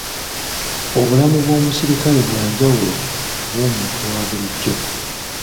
Obulamu bw'omusirikale bwa njawulo ku bw'omuntu wa bulijjo.